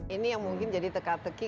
ini yang mungkin jadi teka teki